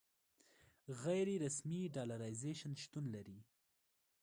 غیر رسمي ډالرایزیشن شتون لري.